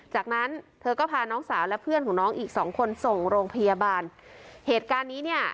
จากนั้นเธอก็พาน้องสาวและเพื่อนของน้องอีกสองคนส่งโรงพยาบาลเหตุการณ์นี้เนี่ย